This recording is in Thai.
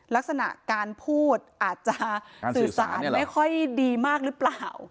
ลักษณะการพูดอาจจะสื่อสารไม่ค่อยดีมากหรือเปล่า